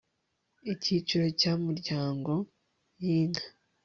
icyiciro cya muryamo y inka